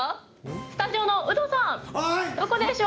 スタジオのウドさんどこでしょう？